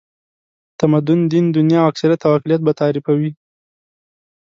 تمدن، دین، دنیا او اکثریت او اقلیت به تعریفوي.